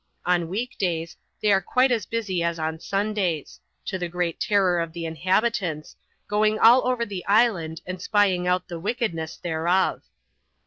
On wedt days, they are quite as busy as on Sundays ; to the greatterror of the inhabitants, going all over the island, and spying out the wickedness thereof.